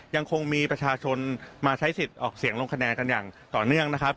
ยังคงมีประชาชนมาใช้สิทธิ์ออกเสียงลงคะแนนกันอย่างต่อเนื่องนะครับ